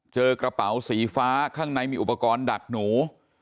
เจอกระเป๋าสีฟ้าข้างในมีอุปกรณ์ดักหนู